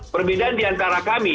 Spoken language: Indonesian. perbedaan diantara kami